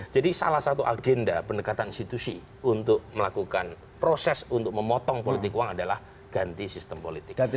jadi salah satu agenda pendekatan institusi untuk melakukan proses untuk memotong politik uang adalah ganti sistem politik